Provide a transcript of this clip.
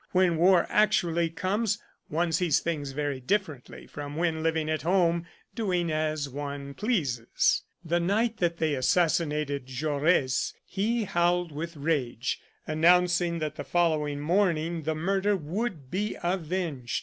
When war actually comes one sees things very differently from when living at home doing as one pleases." The night that they assassinated Jaures he howled with rage, announcing that the following morning the murder would be avenged.